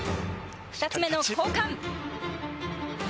２つ目の交換。